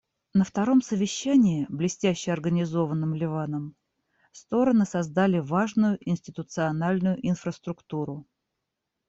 На втором совещании, блестяще организованном Ливаном, стороны создали важную институциональную инфраструктуру.